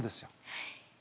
はい。